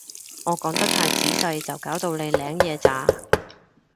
我講得太仔細就搞到你領嘢咋